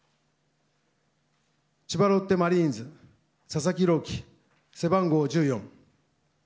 千葉ロッテマリーンズ佐々木朗希、背番号１４。